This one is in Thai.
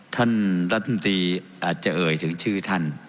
ท่านรัฐมนตรีอาจจะเอ่ยถึงชื่อท่าน